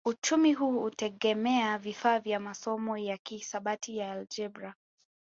Uchumi huu hutegemea vifaa vya masomo ya kihisabati ya aljebra